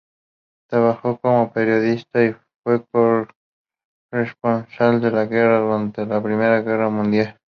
Trabajó como periodista, y fue corresponsal de guerra durante la Primera Guerra Mundial.